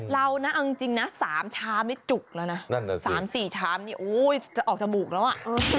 เรานะเอาจริงนะ๓ชามไม่จุกแล้วนะ๓๔ชามนี่โอ้ยจะออกจมูกแล้วอ่ะ